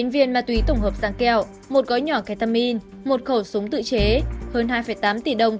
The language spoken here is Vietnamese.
sáu mươi chín viên ma túy tổng hợp rang keo một gói nhỏ ketamin một khẩu súng tự chế hơn hai tám tỷ đồng